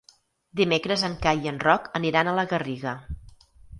Dimecres en Cai i en Roc aniran a la Garriga.